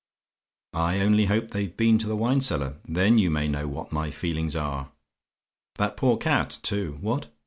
"I only hope they've been to the wine cellar: then you may know what my feelings are. That poor cat, too What?